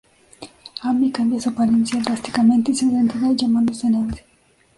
Amy cambia su apariencia drásticamente y su identidad llamándose "Nancy".